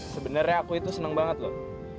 sebenernya aku itu seneng banget loh